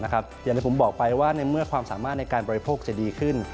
อย่างที่ผมบอกไปว่าในเมื่อความสามารถในการบริโภคจะดีขึ้น